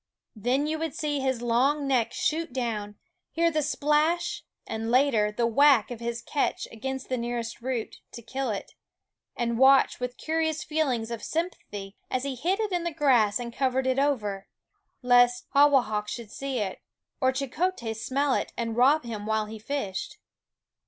Then you would see his long neck shoot down, hear the splash and, later, the whack of his catch against the nearest root, to kill it ; and watch with curious feelings of sympathy as he hid it in the grass and covered it over, lest Hawahak should see, or Cheokhes smell it, and rob him while he fished.